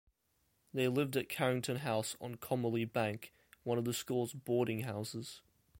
They lived at Carrington House on Comely Bank, one of the school's boarding houses.